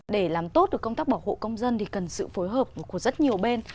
để làm tốt được công tác bảo hộ công dân thì cần sự phối hợp của rất nhiều bên